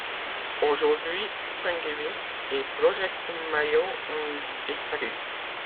Aujourd’hui, OpenDivX et Project Mayo ont disparu.